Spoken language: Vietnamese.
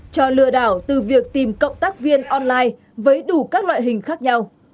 cho lừa đảo từ việc tìm cộng tác viên online với đủ các loại hình khác nhau